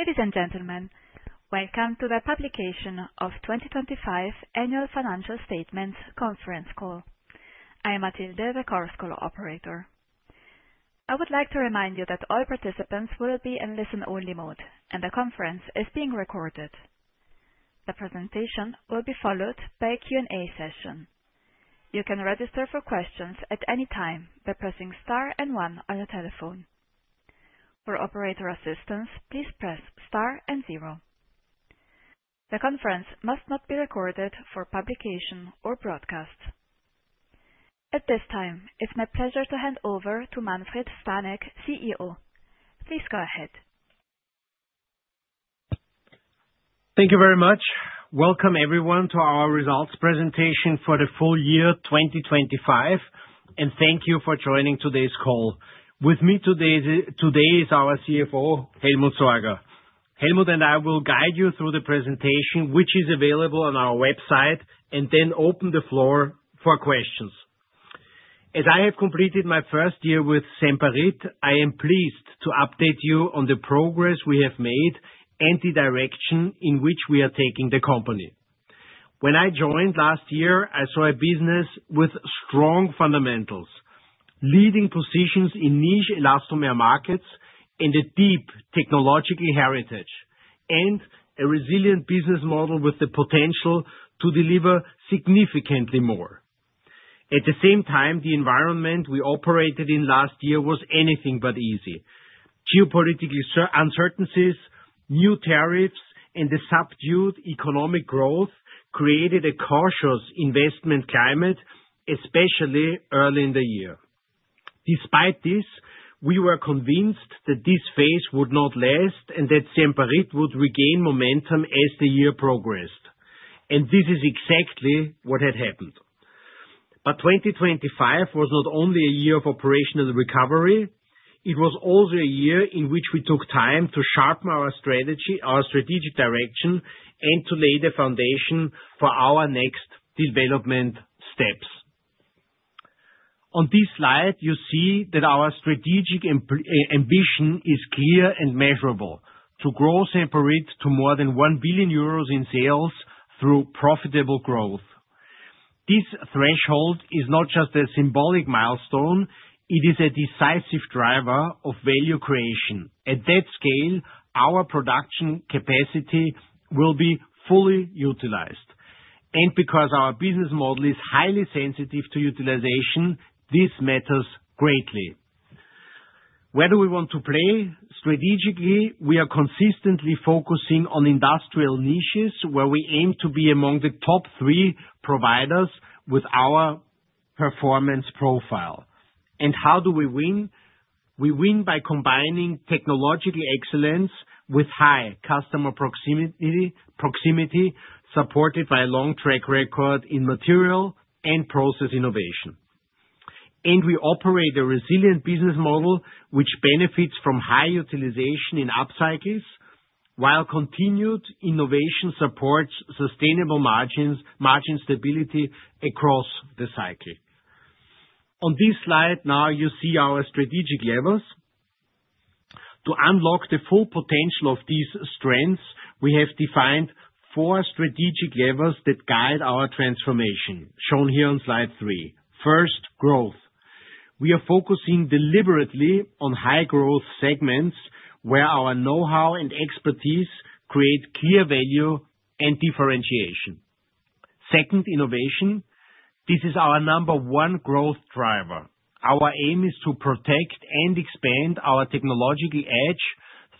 Ladies and gentlemen, welcome to the publication of 2025 annual financial statements conference call. I am Matilda, the conference call operator. I would like to remind you that all participants will be in listen-only mode, and the conference is being recorded. The presentation will be followed by a Q&A session. You can register for questions at any time by pressing star and one on your telephone. For operator assistance, please press star and zero. The conference must not be recorded for publication or broadcast. At this time, it's my pleasure to hand over to Manfred Stanek, CEO. Please go ahead. Thank you very much. Welcome everyone to our results presentation for the full year 2025, and thank you for joining today's call. With me today is our CFO, Helmut Sorger. Helmut and I will guide you through the presentation, which is available on our website, and then open the floor for questions. As I have completed my first year with Semperit, I am pleased to update you on the progress we have made and the direction in which we are taking the company. When I joined last year, I saw a business with strong fundamentals, leading positions in niche elastomer markets, and a deep technological heritage, and a resilient business model with the potential to deliver significantly more. At the same time, the environment we operated in last year was anything but easy. Geopolitical uncertainties, new tariffs, and the subdued economic growth created a cautious investment climate, especially early in the year. Despite this, we were convinced that this phase would not last and that Semperit would regain momentum as the year progressed. This is exactly what had happened. 2025 was not only a year of operational recovery, it was also a year in which we took time to sharpen our strategy, our strategic direction, and to lay the foundation for our next development steps. On this slide, you see that our strategic ambition is clear and measurable. To grow Semperit to more than 1 billion euros in sales through profitable growth. This threshold is not just a symbolic milestone, it is a decisive driver of value creation. At that scale, our production capacity will be fully utilized. Because our business model is highly sensitive to utilization, this matters greatly. Where do we want to play strategically? We are consistently focusing on industrial niches where we aim to be among the top three providers with our performance profile. How do we win? We win by combining technological excellence with high customer proximity, supported by a long track record in material and process innovation. We operate a resilient business model which benefits from high utilization in upcycles, while continued innovation supports sustainable margins, margin stability across the cycle. On this slide now you see our strategic levers. To unlock the full potential of these strengths, we have defined four strategic levers that guide our transformation, shown here on slide 3. First, growth. We are focusing deliberately on high-growth segments, where our know-how and expertise create clear value and differentiation. Second innovation. This is our number one growth driver. Our aim is to protect and expand our technological edge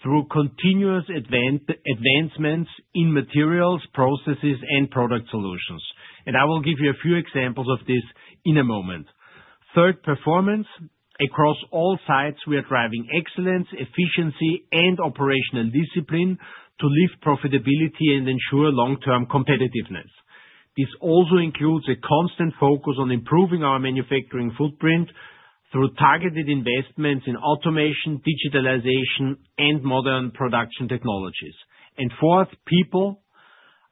through continuous advancements in materials, processes, and product solutions. I will give you a few examples of this in a moment. Third, performance. Across all sites, we are driving excellence, efficiency and operational discipline to lift profitability and ensure long-term competitiveness. This also includes a constant focus on improving our manufacturing footprint through targeted investments in automation, digitalization and modern production technologies. Fourth, people.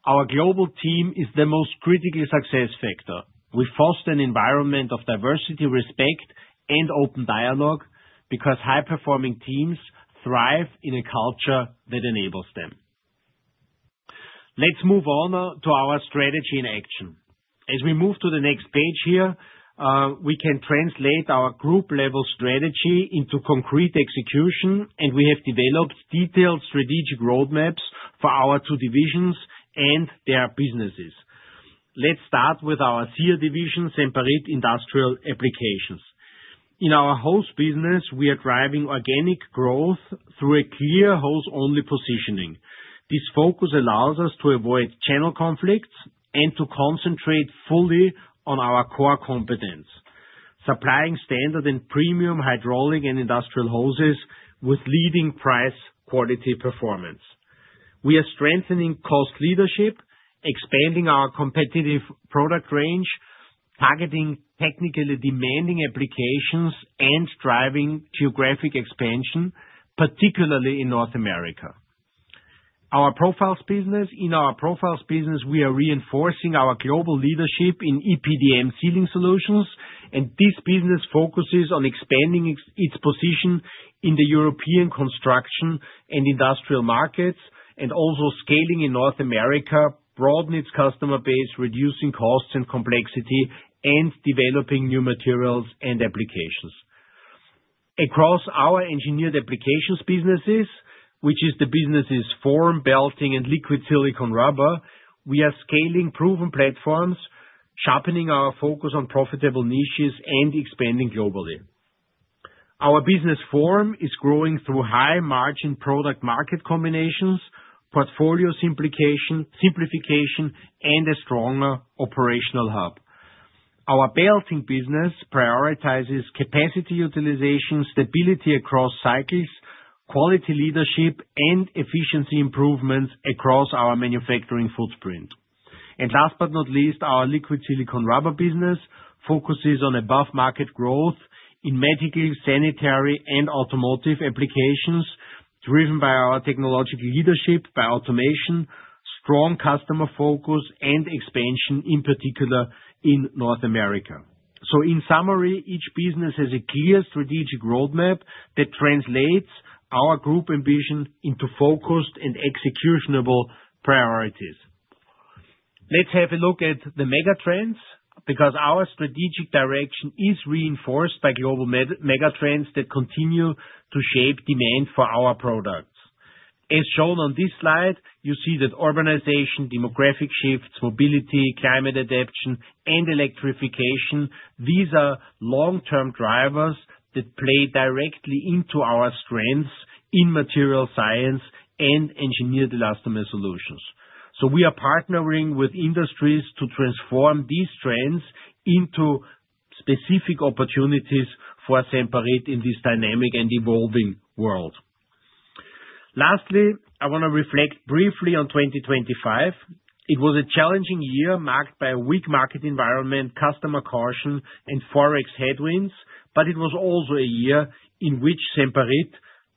Our global team is the most critical success factor. We foster an environment of diversity, respect and open dialogue because high-performing teams thrive in a culture that enables them. Let's move on to our strategy in action. As we move to the next page here, we can translate our group-level strategy into concrete execution, and we have developed detailed strategic roadmaps for our two divisions and their businesses. Let's start with our SIA division, Semperit Industrial Applications. In our hose business, we are driving organic growth through a clear hose-only positioning. This focus allows us to avoid channel conflicts and to concentrate fully on our core competence, supplying standard and premium hydraulic and industrial hoses with leading price-quality performance. We are strengthening cost leadership, expanding our competitive product range, targeting technically demanding applications, and driving geographic expansion, particularly in North America. Our profiles business. In our profiles business, we are reinforcing our global leadership in EPDM sealing solutions, and this business focuses on expanding its position in the European construction and industrial markets and also scaling in North America, broadening its customer base, reducing costs and complexity, and developing new materials and applications. Across our Engineered Applications businesses, which are the businesses Form, belting, and Liquid Silicone Rubber, we are scaling proven platforms, sharpening our focus on profitable niches and expanding globally. Our business Form is growing through high-margin product market combinations, portfolio simplification and a stronger operational hub. Our belting business prioritizes capacity utilization, stability across cycles, quality leadership and efficiency improvements across our manufacturing footprint. Last but not least, our Liquid Silicone Rubber business focuses on above market growth in medical, sanitary and automotive applications, driven by our technological leadership, by automation, strong customer focus and expansion, in particular in North America. In summary, each business has a clear strategic roadmap that translates our group ambition into focused and executable priorities. Let's have a look at the mega trends, because our strategic direction is reinforced by global mega trends that continue to shape demand for our products. As shown on this slide, you see that urbanization, demographic shifts, mobility, climate adaptation, and electrification. These are long-term drivers that play directly into our strengths in material science and engineered elastomer solutions. We are partnering with industries to transform these trends into specific opportunities for Semperit in this dynamic and evolving world. Lastly, I want to reflect briefly on 2025. It was a challenging year marked by a weak market environment, customer caution and Forex headwinds, but it was also a year in which Semperit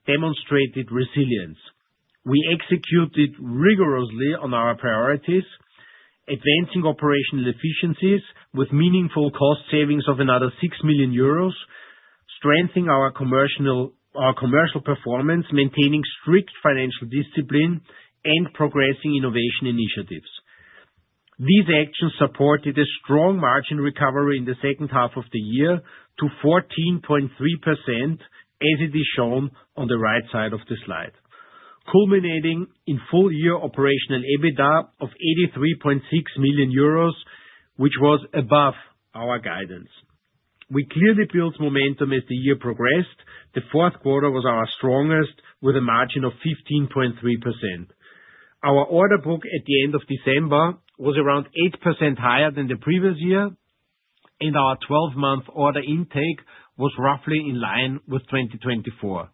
demonstrated resilience. We executed rigorously on our priorities, advancing operational efficiencies with meaningful cost savings of another 6 million euros, strengthening our commercial performance, maintaining strict financial discipline and progressing innovation initiatives. These actions supported a strong margin recovery in the second half of the year to 14.3%, as it is shown on the right side of the slide, culminating in full year operational EBITDA of 83.6 million euros, which was above our guidance. We clearly built momentum as the year progressed. The fourth quarter was our strongest with a margin of 15.3%. Our order book at the end of December was around 8% higher than the previous year, and our 12-month order intake was roughly in line with 2024.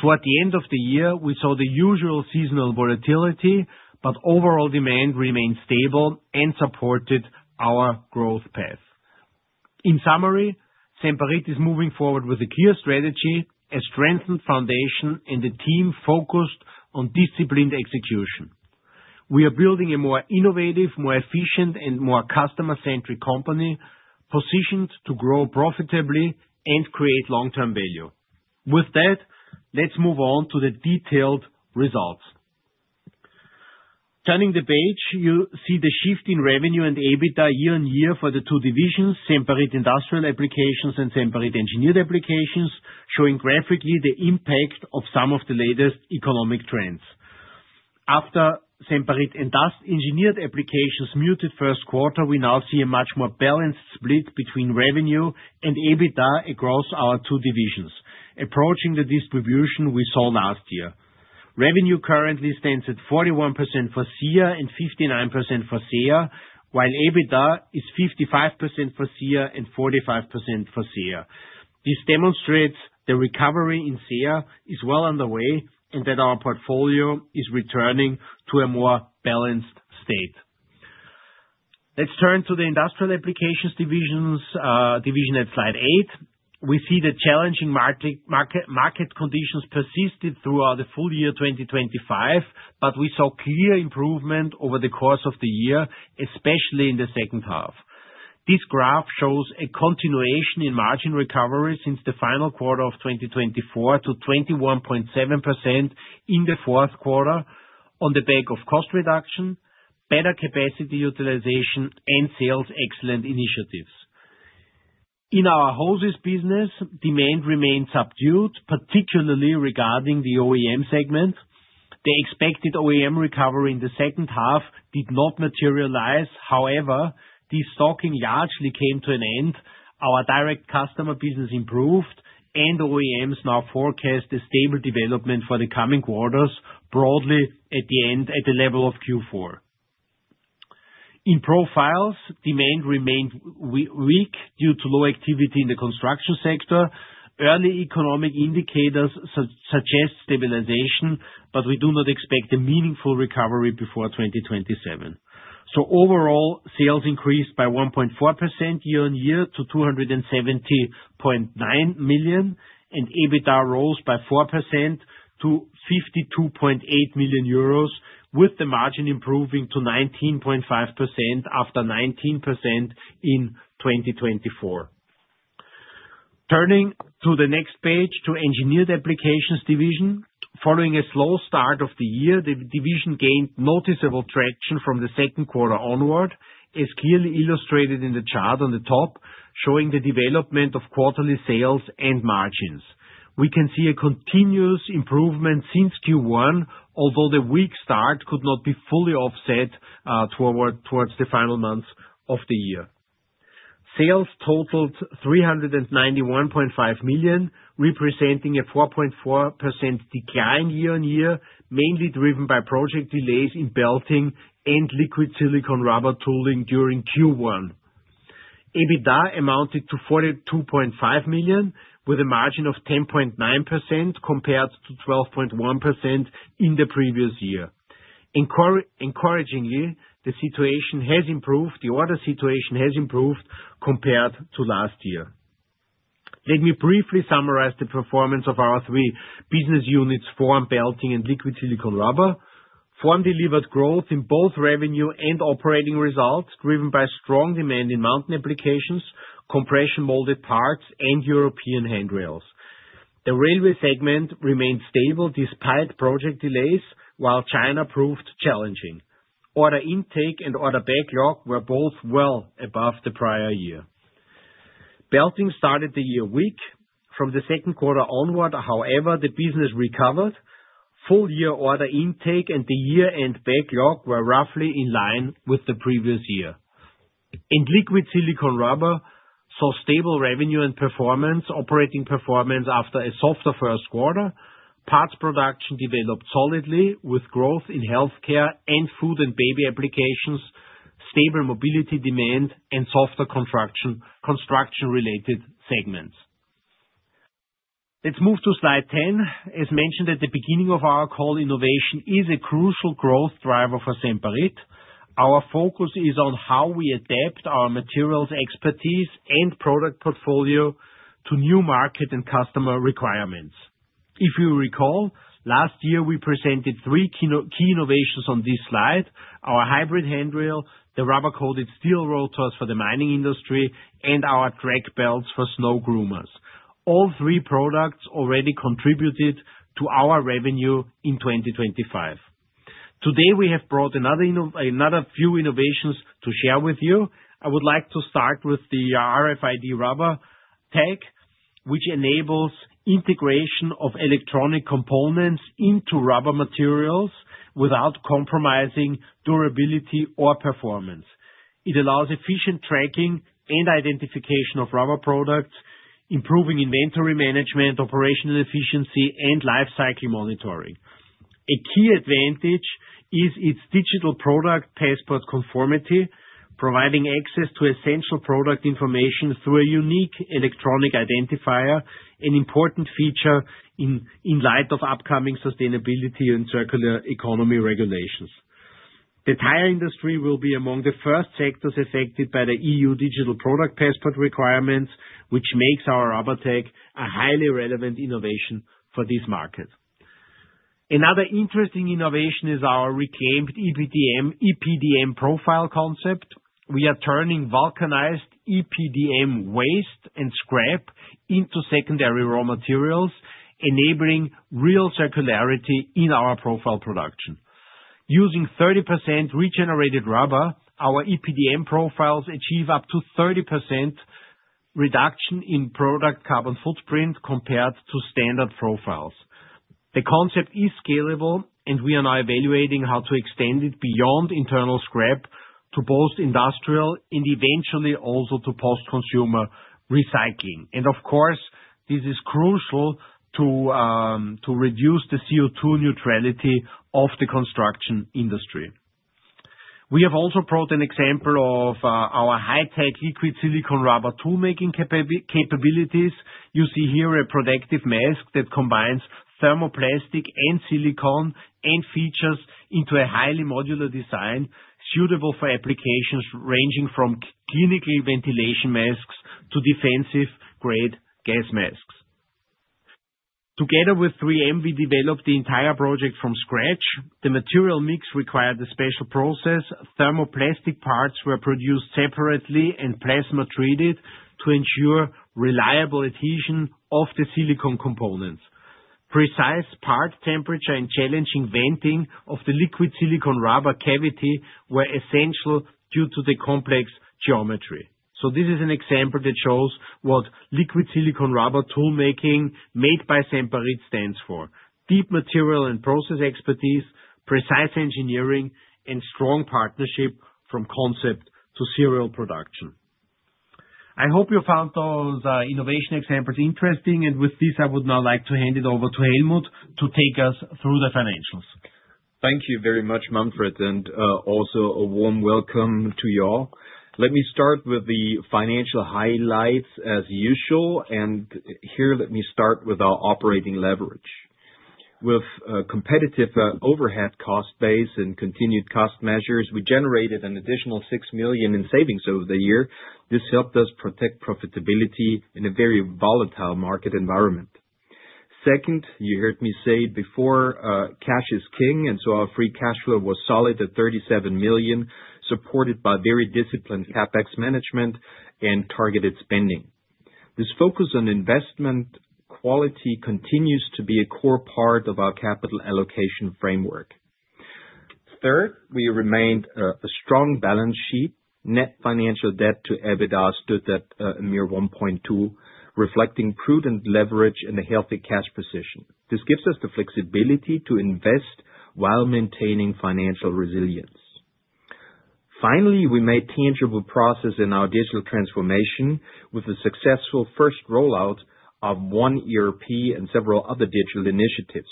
Toward the end of the year, we saw the usual seasonal volatility, but overall demand remained stable and supported our growth path. In summary, Semperit is moving forward with a clear strategy, a strengthened foundation and a team focused on disciplined execution. We are building a more innovative, more efficient and more customer-centric company positioned to grow profitably and create long-term value. With that, let's move on to the detailed results. Turning the page, you see the shift in revenue and EBITDA year-on-year for the two divisions, Semperit Industrial Applications and Semperit Engineered Applications, showing graphically the impact of some of the latest economic trends. After Semperit Industrial and Engineered Applications muted first quarter, we now see a much more balanced split between revenue and EBITDA across our two divisions, approaching the distribution we saw last year. Revenue currently stands at 41% for SIA and 59% for SEA, while EBITDA is 55% for SIA and 45% for SEA. This demonstrates the recovery in SEA is well underway and that our portfolio is returning to a more balanced state. Let's turn to the Industrial Applications division at slide 8. We see the challenging market conditions persisted throughout the full year 2025, but we saw clear improvement over the course of the year, especially in the second half. This graph shows a continuation in margin recovery since the final quarter of 2024 to 21.7% in the fourth quarter on the back of cost reduction, better capacity utilization and sales excellent initiatives. In our hoses business, demand remained subdued, particularly regarding the OEM segment. The expected OEM recovery in the second half did not materialize. However, destocking largely came to an end. Our direct customer business improved and OEMs now forecast a stable development for the coming quarters, broadly at the end, at the level of Q4. In profiles, demand remained weak due to low activity in the construction sector. Early economic indicators suggest stabilization, but we do not expect a meaningful recovery before 2027. Overall, sales increased by 1.4% year-on-year to 270.9 million, and EBITDA rose by 4% to 52.8 million euros, with the margin improving to 19.5% after 19% in 2024. Turning to the next page, to Engineered Applications division. Following a slow start of the year, the division gained noticeable traction from the second quarter onward, as clearly illustrated in the chart on the top, showing the development of quarterly sales and margins. We can see a continuous improvement since Q1, although the weak start could not be fully offset towards the final months of the year. Sales totaled 391.5 million, representing a 4.4% decline year-on-year, mainly driven by project delays in belting and Liquid Silicone Rubber tooling during Q1. EBITDA amounted to 42.5 million, with a margin of 10.9% compared to 12.1% in the previous year. Encouragingly, the situation has improved, the order situation has improved compared to last year. Let me briefly summarize the performance of our three business units, Form, Belting, and Liquid Silicone Rubber. Form delivered growth in both revenue and operating results, driven by strong demand in mountain applications, compression molded parts, and European handrails. The railway segment remained stable despite project delays, while China proved challenging. Order intake and order backlog were both well above the prior year. Belting started the year weak. From the second quarter onward, however, the business recovered. Full year order intake and the year-end backlog were roughly in line with the previous year. Liquid silicone rubber saw stable revenue and performance, operating performance after a softer first quarter. Parts production developed solidly with growth in healthcare and food and baby applications, stable mobility demand and softer contraction, construction-related segments. Let's move to slide 10. As mentioned at the beginning of our call, innovation is a crucial growth driver for Semperit. Our focus is on how we adapt our materials, expertise and product portfolio to new market and customer requirements. If you recall, last year we presented three key innovations on this slide: our hybrid handrail, the rubber-coated steel rotors for the mining industry, and our track belts for snow groomers. All three products already contributed to our revenue in 2025. Today, we have brought another few innovations to share with you. I would like to start with the RFID Rubber Tag, which enables integration of electronic components into rubber materials without compromising durability or performance. It allows efficient tracking and identification of rubber products, improving inventory management, operational efficiency, and lifecycle monitoring. A key advantage is its digital product passport conformity, providing access to essential product information through a unique electronic identifier, an important feature in light of upcoming sustainability and circular economy regulations. The tire industry will be among the first sectors affected by the EU Digital Product Passport requirements, which makes our Rubber Tag a highly relevant innovation for this market. Another interesting innovation is our reclaimed EPDM profile concept. We are turning vulcanized EPDM waste and scrap into secondary raw materials, enabling real circularity in our profile production. Using 30% regenerated rubber, our EPDM profiles achieve up to 30% reduction in product carbon footprint compared to standard profiles. The concept is scalable, and we are now evaluating how to extend it beyond internal scrap to both industrial and eventually also to post-consumer recycling. Of course, this is crucial to reduce the CO2 neutrality of the construction industry. We have also brought an example of our high-tech Liquid Silicone Rubber tool making capabilities. You see here a protective mask that combines thermoplastic and silicone and features into a highly modular design suitable for applications ranging from clinical ventilation masks to defense-grade gas masks. Together with 3M, we developed the entire project from scratch. The material mix required a special process. Thermoplastic parts were produced separately and plasma treated to ensure reliable adhesion of the silicone components. Precise part temperature and challenging venting of the Liquid Silicone Rubber cavity were essential due to the complex geometry. This is an example that shows what Liquid Silicone Rubber tool making made by Semperit stands for. Deep material and process expertise, precise engineering and strong partnership from concept to serial production. I hope you found those innovation examples interesting. With this, I would now like to hand it over to Helmut to take us through the financials. Thank you very much Manfred and also a warm welcome to you all. Let me start with the financial highlights as usual. Here, let me start with our operating leverage. With a competitive overhead cost base and continued cost measures, we generated an additional 6 million in savings over the year. This helped us protect profitability in a very volatile market environment. Second, you heard me say before, cash is king, and so our free cash flow was solid at 37 million, supported by very disciplined CapEx management and targeted spending. This focus on investment quality continues to be a core part of our capital allocation framework. Third, we remained a strong balance sheet. Net financial debt to EBITDA stood at a mere 1.2, reflecting prudent leverage and a healthy cash position. This gives us the flexibility to invest while maintaining financial resilience. Finally, we made tangible progress in our digital transformation with the successful first rollout of oneERP and several other digital initiatives.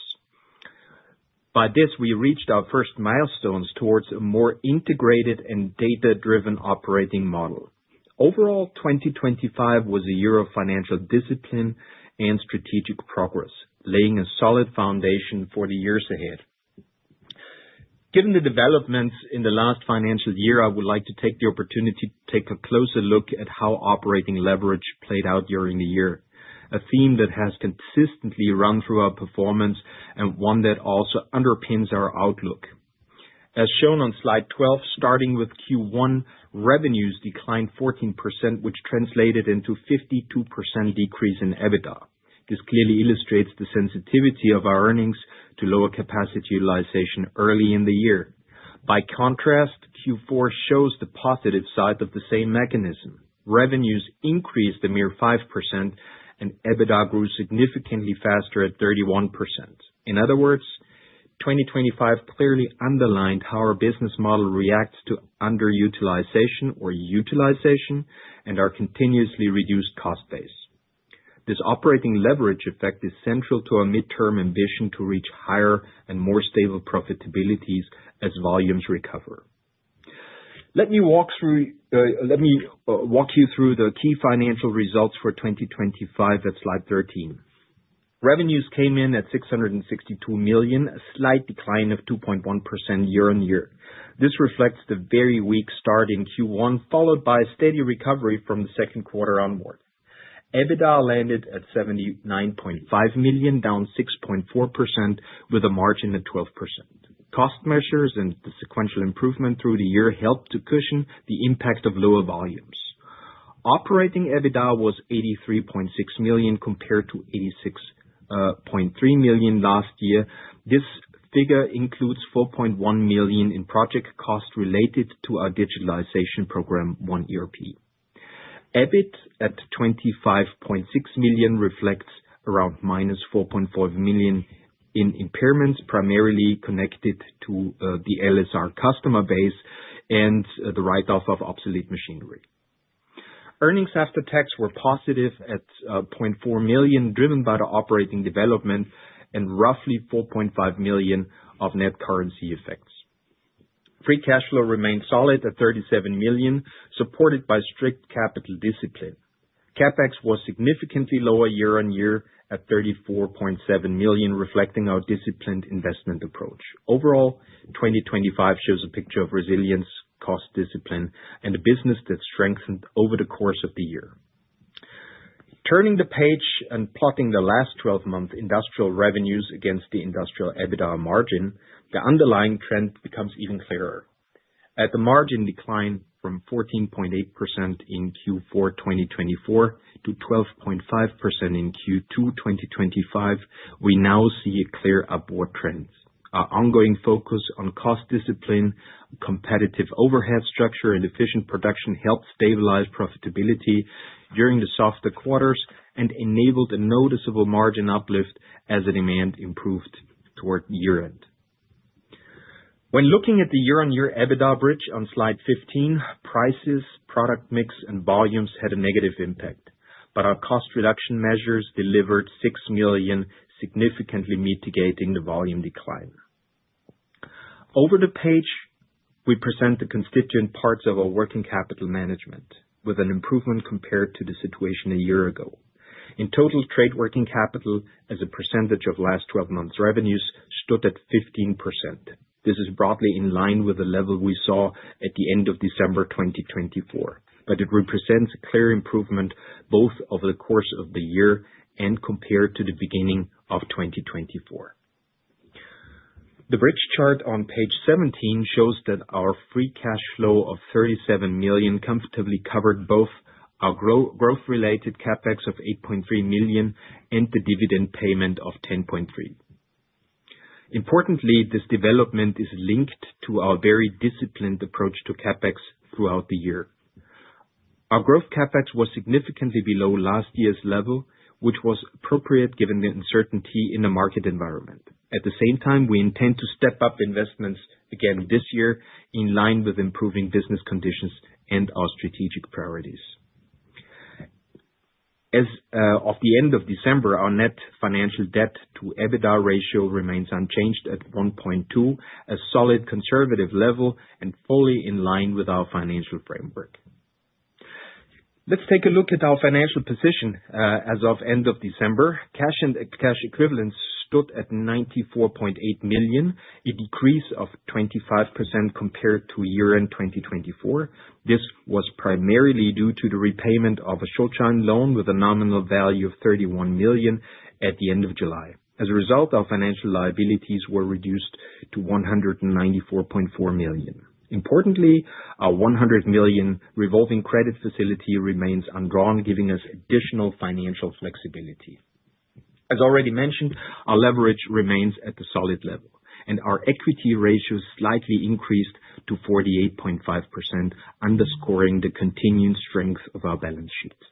By this, we reached our first milestones towards a more integrated and data-driven operating model. Overall, 2025 was a year of financial discipline and strategic progress, laying a solid foundation for the years ahead. Given the developments in the last financial year, I would like to take the opportunity to take a closer look at how operating leverage played out during the year. A theme that has consistently run through our performance and one that also underpins our outlook. As shown on slide 12, starting with Q1, revenues declined 14%, which translated into 52% decrease in EBITDA. This clearly illustrates the sensitivity of our earnings to lower capacity utilization early in the year. By contrast, Q4 shows the positive side of the same mechanism. Revenues increased a mere 5%, and EBITDA grew significantly faster at 31%. In other words, 2025 clearly underlined how our business model reacts to underutilization or utilization and our continuously reduced cost base. This operating leverage effect is central to our midterm ambition to reach higher and more stable profitabilities as volumes recover. Let me walk you through the key financial results for 2025 at slide 13. Revenues came in at 662 million, a slight decline of 2.1% year-on-year. This reflects the very weak start in Q1, followed by a steady recovery from the second quarter onwards. EBITDA landed at 79.5 million, down 6.4% with a margin at 12%. Cost measures and the sequential improvement through the year helped to cushion the impact of lower volumes. Operating EBITDA was 83.6 million compared to 86.3 million last year. This figure includes 4.1 million in project costs related to our digitalization program, oneERP. EBIT at 25.6 million reflects around -4.4 million in impairments, primarily connected to the LSR customer base and the write-off of obsolete machinery. Earnings after tax were positive at 0.4 million, driven by the operating development and roughly 4.5 million of net currency effects. Free cash flow remained solid at 37 million, supported by strict capital discipline. CapEx was significantly lower year on year at 34.7 million, reflecting our disciplined investment approach. Overall, 2025 shows a picture of resilience, cost discipline, and a business that strengthened over the course of the year. Turning the page and plotting the last twelve months industrial revenues against the industrial EBITDA margin, the underlying trend becomes even clearer. As the margin declined from 14.8% in Q4 2024 to 12.5% in Q2 2025, we now see a clear upward trend. Our ongoing focus on cost discipline, competitive overhead structure and efficient production helped stabilize profitability during the softer quarters and enabled a noticeable margin uplift as the demand improved toward year-end. When looking at the year-on-year EBITDA bridge on slide 15, prices, product mix, and volumes had a negative impact, but our cost reduction measures delivered 6 million, significantly mitigating the volume decline. Over the page, we present the constituent parts of our working capital management with an improvement compared to the situation a year ago. In total, trade working capital as a percentage of last twelve months revenues stood at 15%. This is broadly in line with the level we saw at the end of December 2024, but it represents a clear improvement both over the course of the year and compared to the beginning of 2024. The bridge chart on page 17 shows that our free cash flow of 37 million comfortably covered both our growth-related CapEx of 8.3 million and the dividend payment of 10.3 million. Importantly, this development is linked to our very disciplined approach to CapEx throughout the year. Our growth CapEx was significantly below last year's level, which was appropriate given the uncertainty in the market environment. At the same time, we intend to step up investments again this year in line with improving business conditions and our strategic priorities. As of the end of December, our net financial debt to EBITDA ratio remains unchanged at 1.2, a solid conservative level and fully in line with our financial framework. Let's take a look at our financial position, as of end of December. Cash and cash equivalents stood at 94.8 million, a decrease of 25% compared to year-end 2024. This was primarily due to the repayment of a short-term loan with a nominal value of 31 million at the end of July. As a result, our financial liabilities were reduced to 194.4 million. Importantly, our 100 million revolving credit facility remains undrawn, giving us additional financial flexibility. As already mentioned, our leverage remains at a solid level and our equity ratio slightly increased to 48.5%, underscoring the continuing strength of our balance sheets.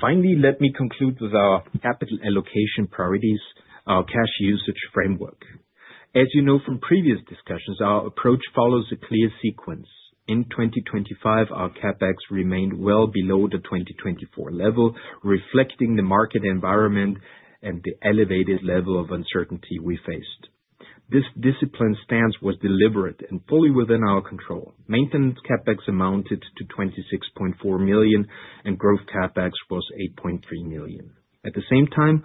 Finally, let me conclude with our capital allocation priorities, our cash usage framework. As you know from previous discussions, our approach follows a clear sequence. In 2025, our CapEx remained well below the 2024 level, reflecting the market environment and the elevated level of uncertainty we faced. This disciplined stance was deliberate and fully within our control. Maintenance CapEx amounted to 26.4 million, and growth CapEx was 8.3 million. At the same time,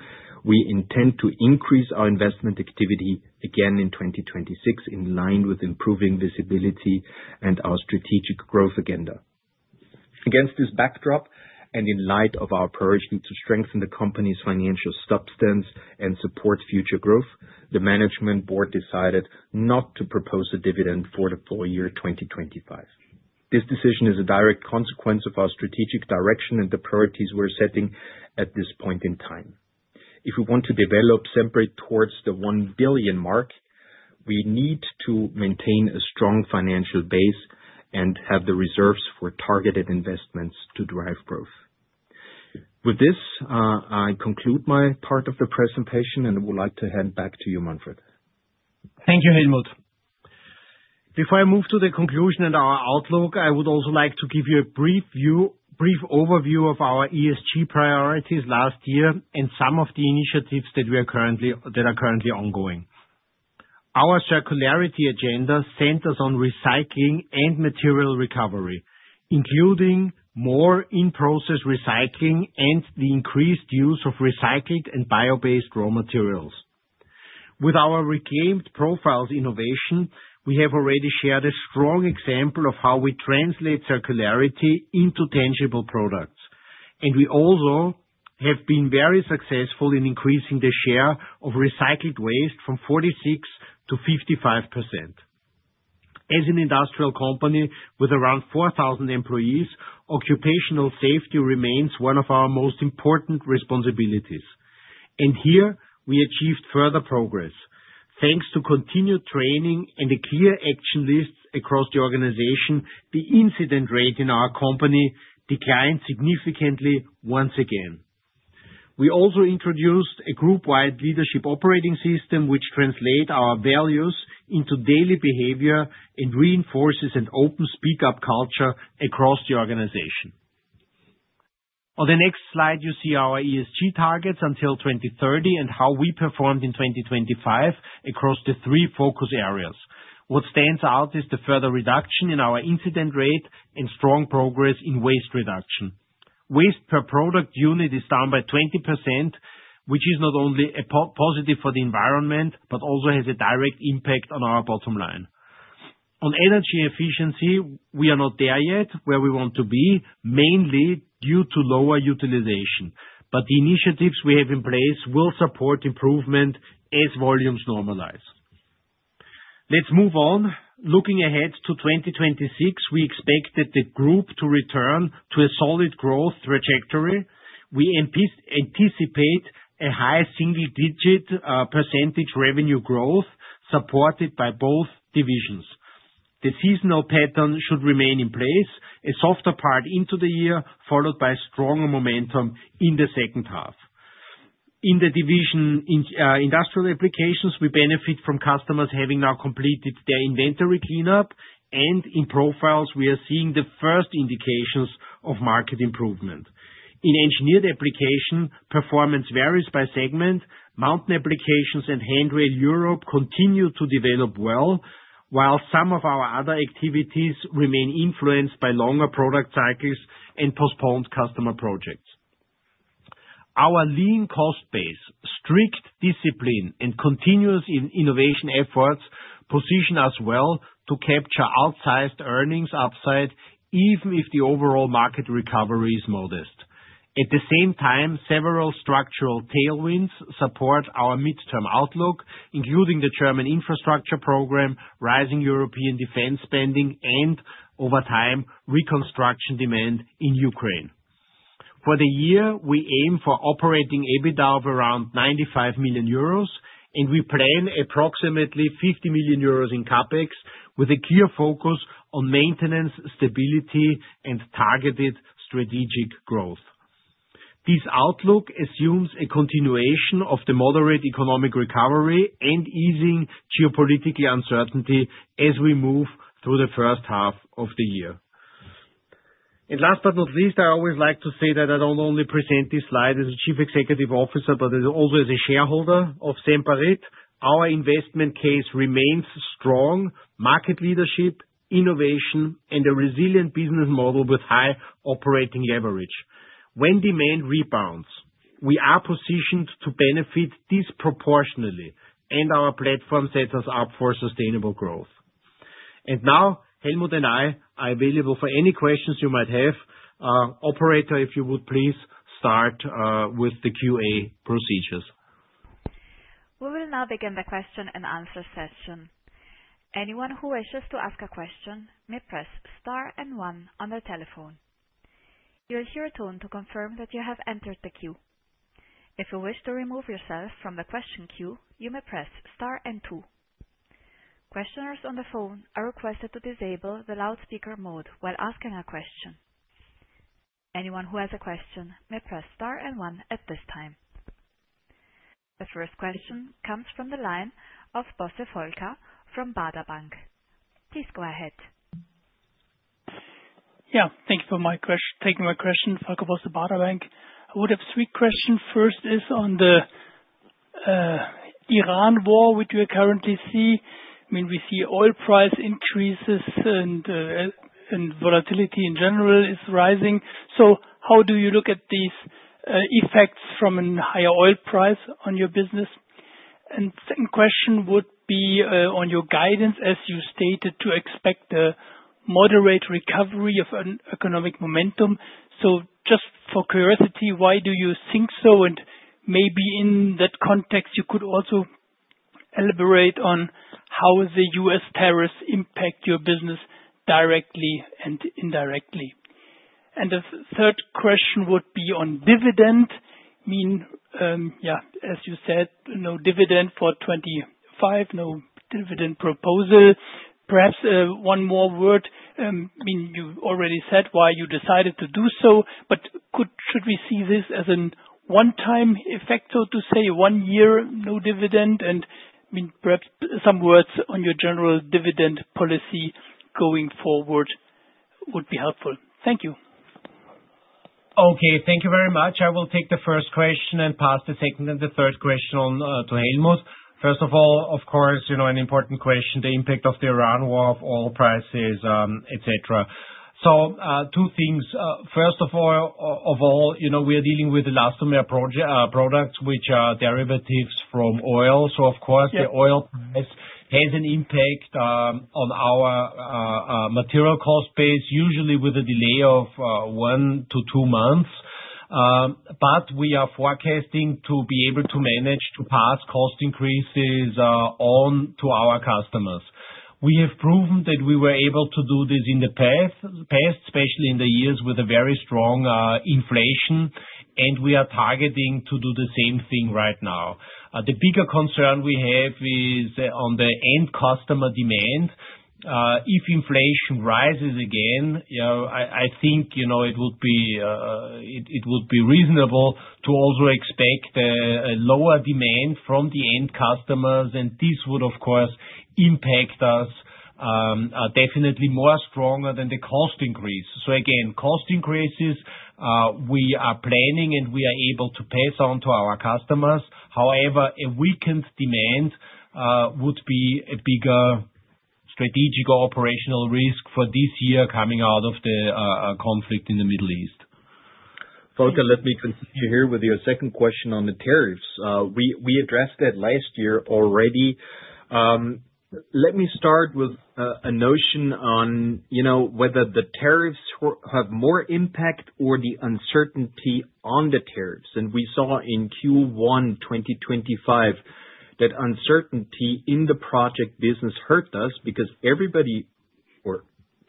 we intend to increase our investment activity again in 2026, in line with improving visibility and our strategic growth agenda. Against this backdrop, and in light of our urge to strengthen the company's financial substance and support future growth, the management board decided not to propose a dividend for the full year 2025. This decision is a direct consequence of our strategic direction and the priorities we're setting at this point in time. If we want to develop Semperit towards the 1 billion mark, we need to maintain a strong financial base and have the reserves for targeted investments to drive growth. With this, I conclude my part of the presentation and would like to hand back to you, Manfred. Thank you Helmut. Before I move to the conclusion and our outlook, I would also like to give you a brief overview of our ESG priorities last year and some of the initiatives that are currently ongoing. Our circularity agenda centers on recycling and material recovery, including more in-process recycling and the increased use of recycled and bio-based raw materials. With our reclaimed profiles innovation, we have already shared a strong example of how we translate circularity into tangible products, and we also have been very successful in increasing the share of recycled waste from 46%-55%. As an industrial company with around 4,000 employees, occupational safety remains one of our most important responsibilities, and here we achieved further progress. Thanks to continued training and a clear action list across the organization, the incident rate in our company declined significantly once again. We also introduced a group-wide leadership operating system, which translate our values into daily behavior and reinforces an open speak-up culture across the organization. On the next slide, you see our ESG targets until 2030 and how we performed in 2025 across the three focus areas. What stands out is the further reduction in our incident rate and strong progress in waste reduction. Waste per product unit is down by 20%, which is not only a positive for the environment, but also has a direct impact on our bottom line. On energy efficiency, we are not there yet where we want to be, mainly due to lower utilization, but the initiatives we have in place will support improvement as volumes normalize. Let's move on. Looking ahead to 2026, we expect the group to return to a solid growth trajectory. We anticipate a high single-digit% revenue growth supported by both divisions. The seasonal pattern should remain in place, a softer part into the year, followed by stronger momentum in the second half. In the division, Industrial Applications, we benefit from customers having now completed their inventory cleanup, and in profiles, we are seeing the first indications of market improvement. In Engineered Applications, performance varies by segment, mountain applications and handrail Europe continue to develop well, while some of our other activities remain influenced by longer product cycles and postponed customer projects. Our lean cost base, strict discipline and continuous innovation efforts position us well to capture outsized earnings upside, even if the overall market recovery is modest. At the same time, several structural tailwinds support our midterm outlook, including the German infrastructure program, rising European defense spending and over time, reconstruction demand in Ukraine. For the year, we aim for operating EBITDA of around 95 million euros, and we plan approximately 50 million euros in CapEx with a clear focus on maintenance, stability and targeted strategic growth. This outlook assumes a continuation of the moderate economic recovery and easing geopolitical uncertainty as we move through the first half of the year. Last but not least, I always like to say that I don't only present this slide as a chief executive officer, but as always a shareholder of Semperit. Our investment case remains strong, market leadership, innovation and a resilient business model with high operating leverage. When demand rebounds, we are positioned to benefit disproportionately and our platform sets us up for sustainable growth. Now Helmut and I are available for any questions you might have. Operator, if you would please start with the Q&A procedures. We will now begin the question-and-answer session. Anyone who wishes to ask a question may press star and one on their telephone. You'll hear a tone to confirm that you have entered the queue. If you wish to remove yourself from the question queue, you may press star and two. Questioners on the phone are requested to disable the loudspeaker mode while asking a question. Anyone who has a question may press star and one at this time. The first question comes from the line of Volker Bosse from Baader Bank. Please go ahead. Thank you for taking my question. Volker Bosse, Baader Bank. I would have three questions. First is on the Iran war, which we currently see. I mean, we see oil price increases and volatility in general is rising. How do you look at these effects from a higher oil price on your business? Second question would be on your guidance, as you stated, to expect a moderate recovery of an economic momentum. Just for curiosity, why do you think so? Maybe in that context, you could also elaborate on how the U.S. tariffs impact your business directly and indirectly. The third question would be on dividend. I mean, as you said, no dividend for 2025, no dividend proposal. Perhaps one more word. I mean, you already said why you decided to do so, but should we see this as a one-time effect, so to say, one year no dividend? I mean, perhaps some words on your general dividend policy going forward would be helpful. Thank you. Okay thank you very much. I will take the first question and pass the second and the third question on to Helmut. First of all, of course, you know, an important question, the impact of the Iran war on oil prices, et cetera. Two things. First of all, you know, we are dealing with elastomer products which are derivatives from oil. Of course, the oil has an impact on our material cost base, usually with a delay of one to two months. But we are forecasting to be able to manage to pass cost increases on to our customers. We have proven that we were able to do this in the past, especially in the years with a very strong inflation, and we are targeting to do the same thing right now. The bigger concern we have is on the end customer demand. If inflation rises again, you know, I think, you know, it would be reasonable to also expect a lower demand from the end customers, and this would of course impact us definitely more stronger than the cost increase. Again, cost increases we are planning and we are able to pass on to our customers. However, a weakened demand would be a bigger strategic operational risk for this year coming out of the conflict in the Middle East. Volker let me continue here with your second question on the tariffs. We addressed that last year already. Let me start with a notion on, you know, whether the tariffs have more impact or the uncertainty on the tariffs. We saw in Q1 in 2025 that uncertainty in the project business hurt us because everybody or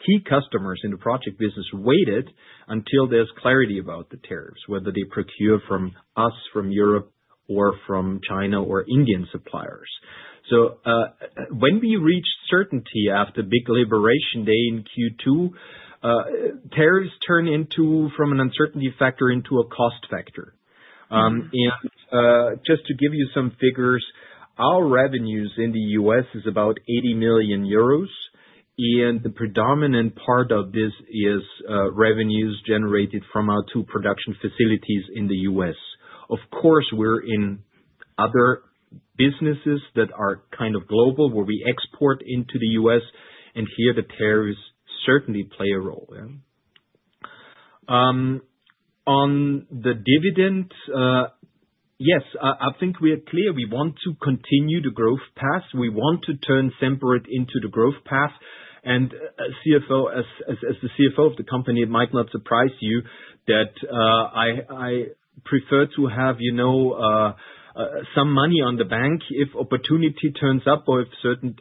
key customers in the project business waited until there's clarity about the tariffs, whether they procure from us from Europe or from China or Indian suppliers. When we reach certainty after Liberation Day in Q2, tariffs turn from an uncertainty factor into a cost factor. Just to give you some figures, our revenues in the U.S. is about 80 million euros, and the predominant part of this is revenues generated from our two production facilities in the U.S. Of course we're in other businesses that are kind of global, where we export into the U.S., and here the tariffs certainly play a role in. On the dividend, yes, I think we are clear. We want to continue the growth path. We want to turn Semperit into the growth path. As the CFO of the company, it might not surprise you that I prefer to have, you know, some money on the bank if opportunity turns up or if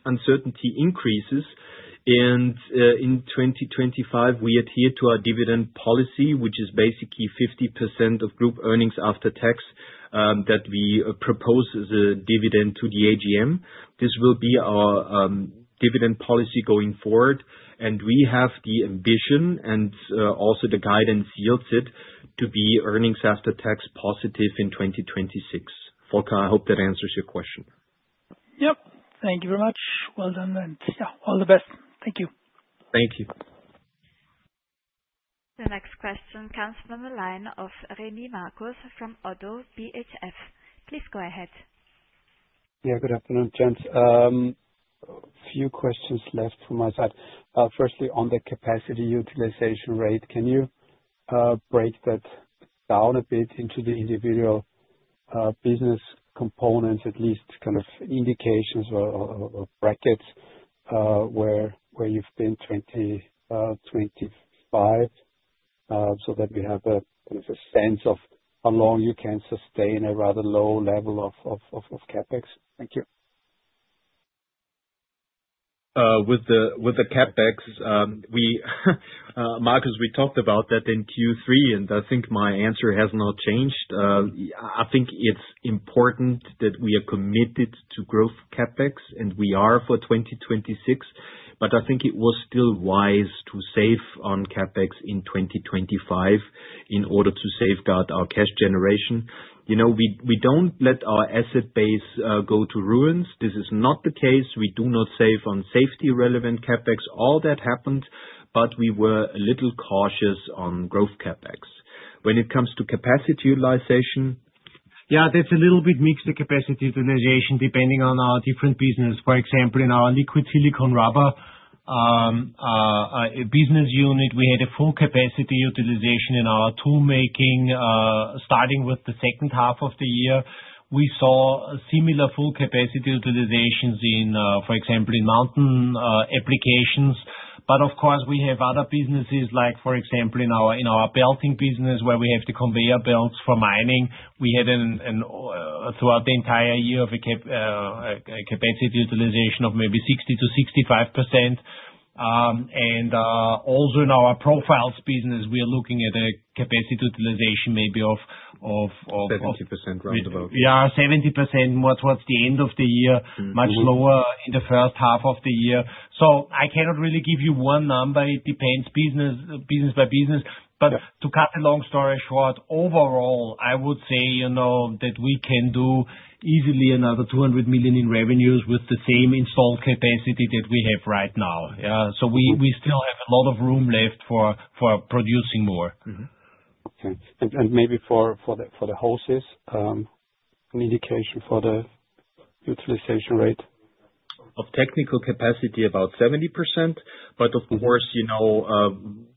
uncertainty increases. In 2025, we adhere to our dividend policy, which is basically 50% of group earnings after tax that we propose as a dividend to the AGM. This will be our dividend policy going forward, and we have the ambition and also the guidance is to be earnings after tax positive in 2026. Volker, I hope that answers your question. Yep. Thank you very much. Well done, and, yeah, all the best. Thank you. Thank you. The next question comes from the line of Marcus Remy from Oddo BHF. Please go ahead. Yeah. Good afternoon gents. A few questions left from my side. Firstly, on the capacity utilization rate, can you break that down a bit into the individual business components at least kind of indications of brackets where you've been 20%-25%, so that we have a kind of a sense of how long you can sustain a rather low level of CapEx? Thank you. With the CapEx, Marcus, we talked about that in Q3, and I think my answer has not changed. I think it's important that we are committed to growth CapEx, and we are for 2026, but I think it was still wise to save on CapEx in 2025 in order to safeguard our cash generation. You know, we don't let our asset base go to ruins. This is not the case. We do not save on safety relevant CapEx. All that happened, but we were a little cautious on growth CapEx. When it comes to capacity utilization. Yeah that's a little bit mixed the capacity utilization, depending on our different businesses. For example, in our Liquid Silicone Rubber business unit, we had a full capacity utilization in our tool making. Starting with the second half of the year, we saw similar full capacity utilizations in, for example, in Mountain Applications. Of course, we have other businesses, like for example, in our belting business where we have the conveyor belts for mining, we had, throughout the entire year, a capacity utilization of maybe 60%-65%. Also in our profiles business, we are looking at a capacity utilization maybe of 70% round about. Yeah 70% towards the end of the year. Much lower in the first half of the year. I cannot really give you one number. It depends business by business. Yeah. To cut a long story short, overall, I would say, you know, that we can do easily another 200 million in revenues with the same installed capacity that we have right now. We still have a lot of room left for producing more. Mm-hmm. Okay. Maybe for the hoses, an indication for the utilization rate. Of technical capacity, about 70%. Of course, you know,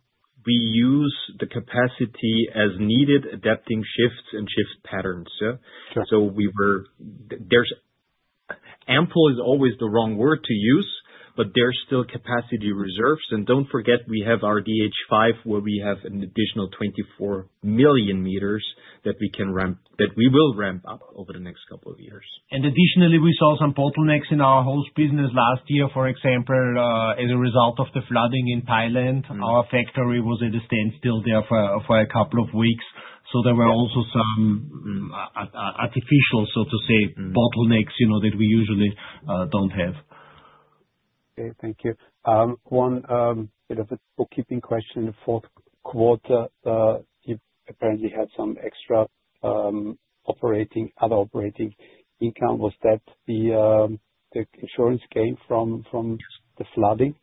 we use the capacity as needed, adapting shifts and shift patterns, yeah? Sure. Ample is always the wrong word to use, but there's still capacity reserves. Don't forget, we have our DH5, where we have an additional 24 million meters that we can ramp, that we will ramp up over the next couple of years. Additionally, we saw some bottlenecks in our hose business last year. For example, as a result of the flooding in Thailand, our factory was at a standstill there for a couple of weeks. There were also some artificial, so to say, bottlenecks, you know, that we usually don't have. Okay. Thank you. One bit of a bookkeeping question. In the fourth quarter, you apparently had some extra other operating income. Was that the insurance claim from the flooding?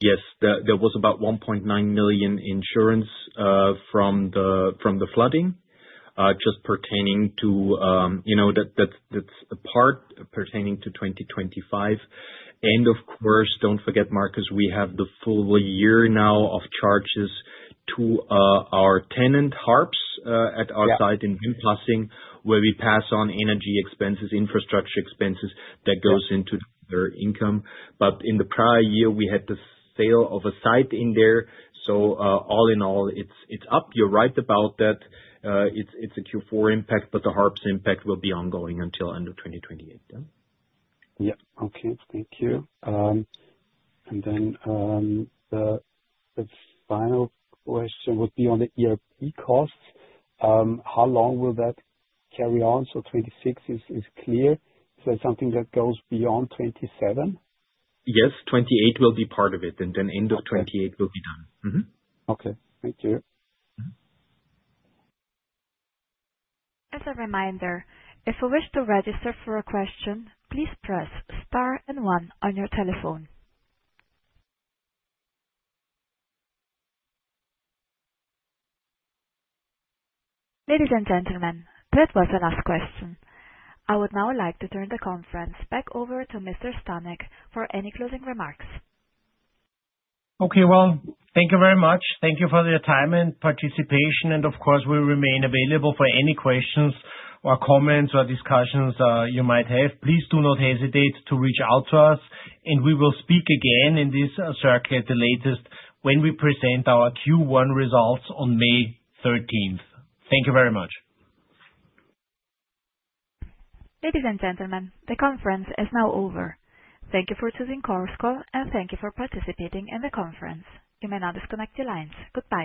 Yes. There was about 1.9 million insurance from the flooding just pertaining to, that's a part pertaining to 2025. Of course, don't forget, Marcus, we have the full year now of charges to our tenant HARPS at our. Yeah. Site in Wimpassing, where we pass on energy expenses, infrastructure expenses that goes into their income. In the prior year, we had the sale of a site in there. All in all, it's up. You're right about that. It's a Q4 impact, but the HARPS impact will be ongoing until end of 2028. Yeah. Yeah. Okay. Thank you. The final question would be on the ERP costs. How long will that carry on? 2026 is clear. Is that something that goes beyond 2027? Yes, 2028 will be part of it, and then end of 2028 will be done. Okay. Thank you. Mm-hmm. As a reminder, if you wish to register for a question, please press star and one on your telephone. Ladies and gentlemen, that was the last question. I would now like to turn the conference back over to Mr. Stanek for any closing remarks. Okay. Well thank you very much. Thank you for your time and participation, and of course, we'll remain available for any questions or comments or discussions you might have. Please do not hesitate to reach out to us, and we will speak again in this circuit the latest when we present our Q1 results on May 13th. Thank you very much. Ladies and gentlemen, the conference is now over. Thank you for choosing Chorus Call, and thank you for participating in the conference. You may now disconnect your lines. Goodbye.